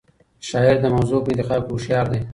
شاعر د موضوع په انتخاب کې هوښیار دی.